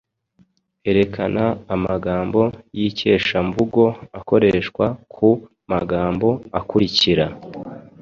Erekana amagambo y’ikeshamvugo akoreshwa ku magambo akurikira